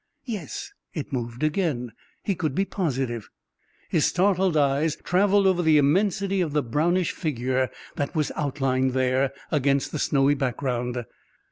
Yes, it moved again, he could be positive! His startled eyes traveled over the immensity of the brownish figure that was outlined there against the snowy background.